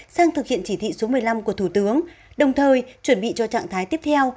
sang thực hiện chỉ thị số một mươi năm của thủ tướng đồng thời chuẩn bị cho trạng thái tiếp theo